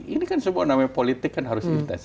ini kan semua namanya politik kan harus ditestasi